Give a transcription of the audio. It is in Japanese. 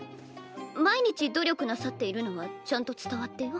毎日努力なさっているのはちゃんと伝わってよ。